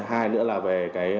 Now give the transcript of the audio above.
hai nữa là về